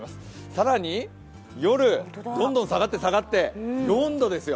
更に夜、どんどん下がって下がって４度ですよ。